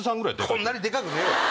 こんなにでかくねえわ！